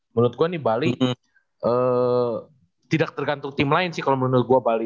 menurut gue nih bali tidak tergantung tim lain sih kalau menurut gua bali